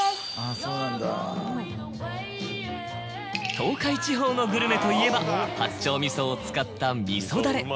東海地方のグルメといえば八丁味噌を使った味噌ダレ。